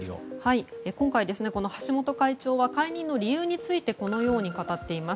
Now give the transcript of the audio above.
今回、橋本会長は解任の理由についてこのように語っています。